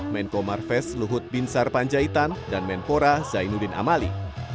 menko marves luhut binsar panjaitan dan menpora zainuddin amali